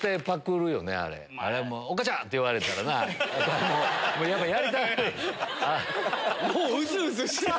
あれもう「岡ちゃん」って言われたらなやっぱやりたく。